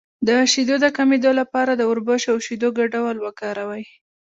د شیدو د کمیدو لپاره د وربشو او شیدو ګډول وکاروئ